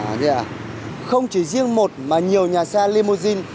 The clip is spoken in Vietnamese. à thế ạ không chỉ riêng một mà nhiều nhà xe limousine